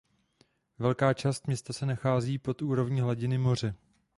Velká část města se nachází pod úrovní hladiny moře.